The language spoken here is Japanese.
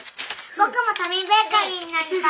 僕もタミーベーカリーになりたい。